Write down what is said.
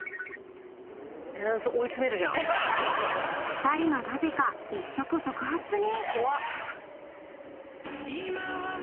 ［２人がなぜか一触即発に！］